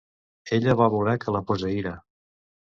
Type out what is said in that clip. Ella va voler que la posseïra.